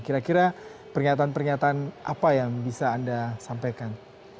kira kira pernyataan pernyataan apa yang bisa anda sampaikan